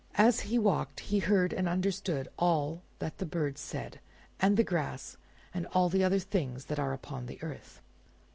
As he walked he heard and understood all that the birds said, and the grass and all the other things that are upon the earth.